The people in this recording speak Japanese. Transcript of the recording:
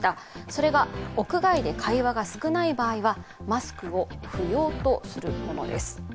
それが屋外で会話が少ない場合はマスクを不要とするものです。